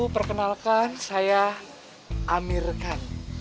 perkenalkan saya amir khan